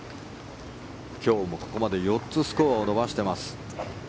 今日もここまで４つスコアを伸ばしています。